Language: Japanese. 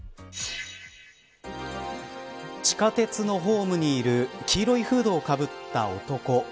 地下鉄のホームにいる黄色いフードをかぶった男。